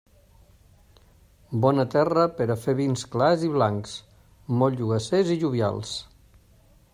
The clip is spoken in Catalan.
Bona terra per a fer vins clars i blancs, molt jogassers i jovials.